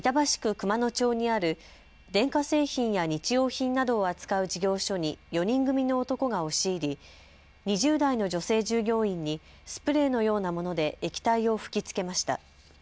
熊野町にある電化製品や日用品などを扱う事業所に４人組の男が押し入り２０代の女性従業員にスプレーのようなもので液体を吹きつけました。